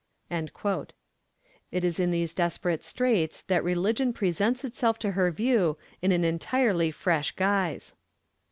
_' It is in these desperate straits that religion presents itself to her view in an entirely fresh guise.